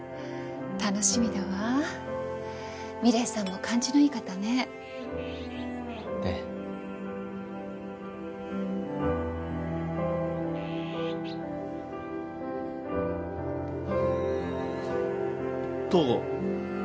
楽しみだわ美玲さんも感じのいい方ねええ東郷